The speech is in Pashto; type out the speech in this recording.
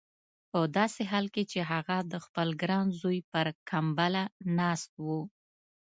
په داسې حال کې چې هغه د خپل ګران زوی پر کمبله ناست و.